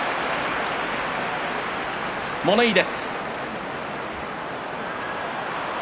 物言いです。